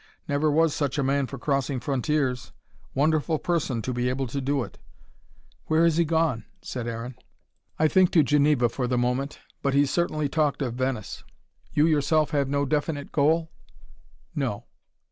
Never was such a man for crossing frontiers. Wonderful person, to be able to do it." "Where has he gone?" said Aaron. "I think to Geneva for the moment. But he certainly talked of Venice. You yourself have no definite goal?" "No."